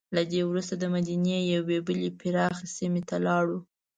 له دې وروسته دمدینې یوې بلې پراخې سیمې ته لاړو.